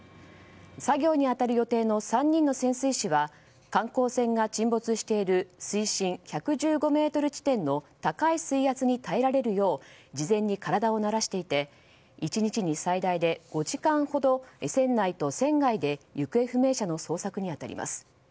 作業に当たる予定の３人の潜水士は観光船が沈没している水深１１５ｍ地点の高い水圧に耐えられるよう事前に体を慣らしていて１日に最大で５時間ほど船内と船外で行方不明者の捜索に当たります。